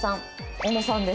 小野さんです。